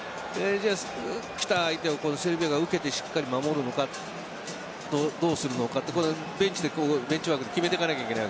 きた相手をセルビアが受けてしっかり守るのかどうするのかというのはベンチワークで決めていかなければいけません。